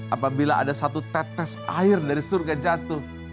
apabila ada satu tetes air dari surga jatuh